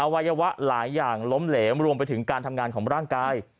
วัยวะหลายอย่างล้มเหลวรวมไปถึงการทำงานของร่างกาย